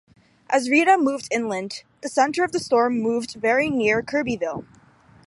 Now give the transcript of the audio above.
As Rita moved inland, the center of the storm moved very near Kirbyville.